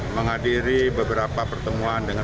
menghadiri beberapa pertemuan